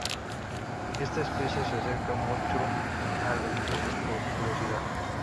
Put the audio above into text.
Esta especie se acerca mucho a los buzos por curiosidad.